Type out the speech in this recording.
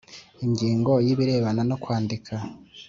Ingingo ya ibirebana no kwandika